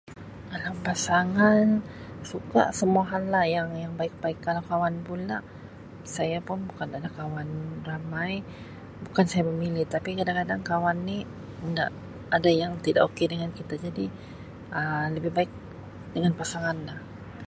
Kalau pasangan suka semua hal lah yang-yang baik, kalau kawan pula saya pun bukan ada kawan ramai, bukan saya memilih tapi kadang-kadang kawan ni inda ada yang tidak okay dengan kita jadi Um lebih baik dengan pasangan lah.